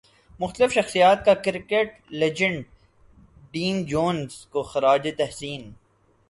مختلف شخصیات کا کرکٹ لیجنڈ ڈین جونز کو خراج تحسین